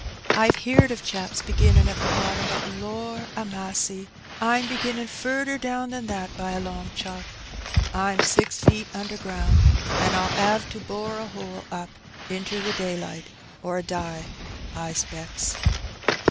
^'Pve heerd of chaps beginnin' at the bottom, but lor* a massy ! Pm beginnin' furder down than that by a long chalk. Pm six feet under ground, an' PU 'ave to bore a hole up inter the daylight, or die, I 'specks.''